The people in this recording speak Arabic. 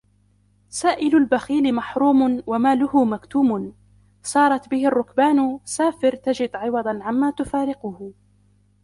سائل البخيل محروم وماله مكتوم سارت به الرُّكْبانُ سافر تجد عوضا عما تفارقه